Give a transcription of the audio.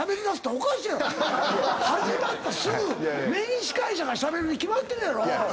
始まったすぐメイン司会者がしゃべるに決まってるやろ！